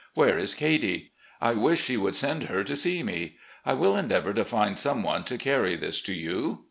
Where is Katie ? I wish she would send her to see me. I will endeavour to find some one to carry this to you.